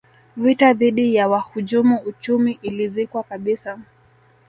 vita dhidi ya wahujumu uchumi ilizikwa kabisa